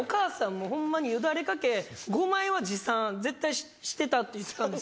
もうホンマにヨダレ掛け５枚は持参絶対してたって言ってたんですよ。